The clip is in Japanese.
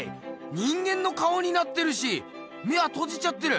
人間の顔になってるし眼はとじちゃってる。